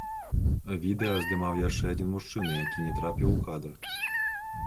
Відэа здымаў яшчэ адзін мужчына, які не трапіў у кадр.